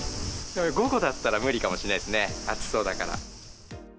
午後だったら無理かもしれないっすね、暑そうだから。